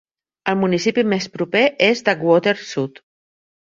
El municipi més proper és Duckwater, sud.